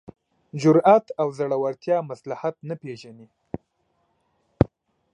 جرات او زړورتیا مصلحت نه پېژني.